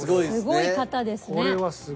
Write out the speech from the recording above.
すごい方ですね。